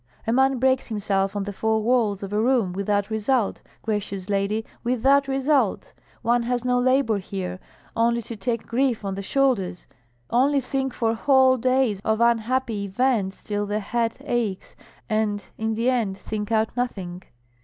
A man breaks himself on the four walls of a room without result, gracious lady, without result! One has no labor here, only to take grief on the shoulders, only think for whole days of unhappy events till the head aches, and in the end think out nothing.